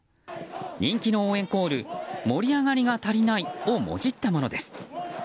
人気の応援コール「盛り上がりが足りない」をもじったものです。